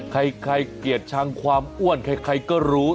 เกลียดชังความอ้วนใครก็รู้